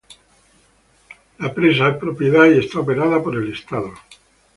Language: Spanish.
La presa es propiedad y está operada por el estado de Minnesota.